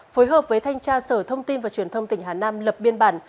phối hợp với thanh tra sở thông tin và truyền thông tỉnh hà nam lập biên bản